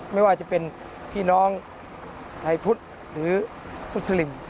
ไม่ว่าจะเป็นพี่น้องไทยพุทธหรือมุสลิม